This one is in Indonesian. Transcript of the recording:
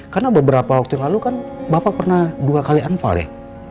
karena beberapa waktu yang lalu kan bapak pernah dua kali anfal ya